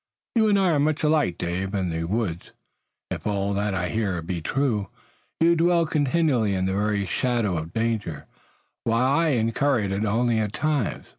"You and I are much alike, Dave. In the woods, if all that I hear be true, you dwell continually in the very shadow of danger, while I incur it only at times.